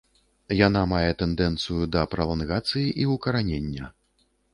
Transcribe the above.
Яна мае тэндэнцыю да пралангацыі і ўкаранення.